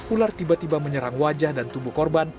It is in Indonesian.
ular tiba tiba menyerang wajah dan tubuh korban